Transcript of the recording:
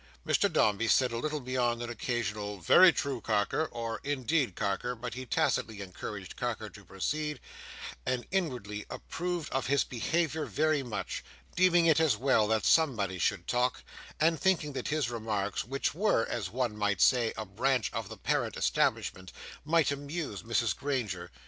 Mr Dombey said little beyond an occasional "Very true, Carker," or "Indeed, Carker," but he tacitly encouraged Carker to proceed, and inwardly approved of his behaviour very much: deeming it as well that somebody should talk, and thinking that his remarks, which were, as one might say, a branch of the parent establishment, might amuse Mrs Granger.